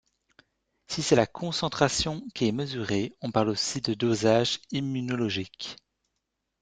Si c'est la concentration qui est mesurée on parle aussi de dosage immunologique.